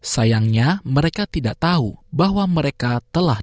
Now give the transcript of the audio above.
sayangnya mereka tidak tahu bahwa mereka telah